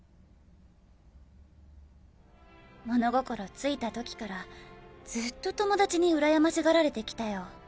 物心ついた時からずっと友達に羨ましがられてきたよ。